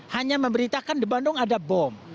hanya memberitakan di bandung ada bom